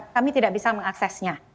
kami tidak bisa mengaksesnya